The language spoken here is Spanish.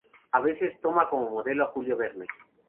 A veces toma como modelo a Julio Verne.